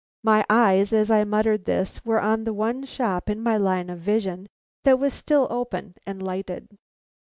My eyes, as I muttered this, were on the one shop in my line of vision that was still open and lighted.